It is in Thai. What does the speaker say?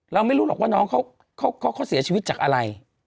เราไม่รู้หรอกว่าน้องเขาเสียชีวิตจากอะไร